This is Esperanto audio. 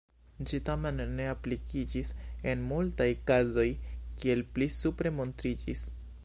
Ĝi tamen ne aplikiĝis en multaj kazoj, kiel pli supre montriĝis.